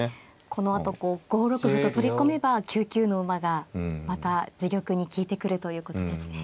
このあとこう５六歩と取り込めば９九の馬がまた自玉に利いてくるということですね。